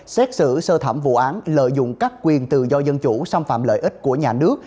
xét xử sơ thẩm vụ án lợi dụng các quyền tự do dân chủ xâm phạm lợi ích của nhà nước